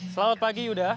selamat pagi yuda